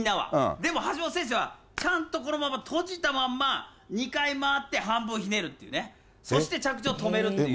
でも橋本選手は、ちゃんとこのまま閉じたまんま、２回回って、半分ひねるというね、そして着地を止めるっていう。